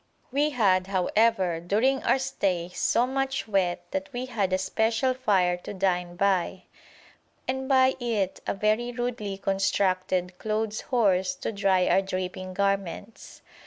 We had, however, during our stay so much wet that we had a special fire to dine by, and by it a very rudely constructed clothes horse to dry our dripping garments.